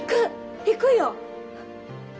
行くよ！